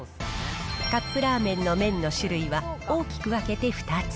カップラーメンの麺の種類は、大きく分けて２つ。